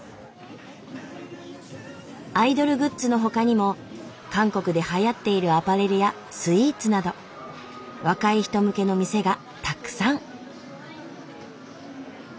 アイドルグッズのほかにも韓国ではやっているアパレルやスイーツなど若い人向けの店がたくさん。